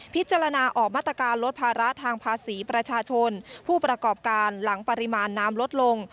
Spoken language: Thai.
พิจารณาออกมาตรการลดภาระทางภาษีประชาชนผู้ประกอบการหลังปริมาณน้ำลดลง